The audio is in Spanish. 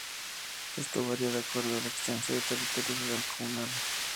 Esto varía, de acuerdo a lo extenso del territorio rural comunal.